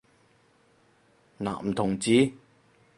男同志？